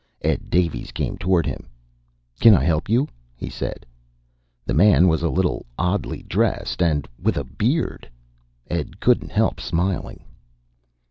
Ed Davies came toward him. "Can I help you?" he said. The man was a little oddly dressed, and with a beard! Ed couldn't help smiling.